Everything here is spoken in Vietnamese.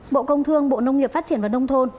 bộ công thương bộ nông nghiệp phát triển và nông thôn